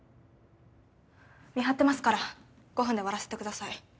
見張ってますから５分で終わらせてください。